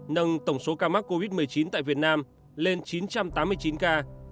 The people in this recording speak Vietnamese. nâng tổng số ca mắc covid một mươi chín tại việt nam lên chín trăm tám mươi chín ca